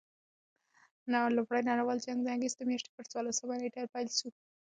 لومړي نړۍوال جنګ د اګسټ د میاشتي پر څوارلسمه نېټه پيل سو.